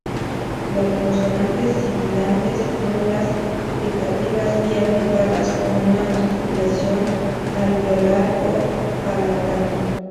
Las consonantes sibilantes son las fricativas y africadas con una articulación alveolar o palatal.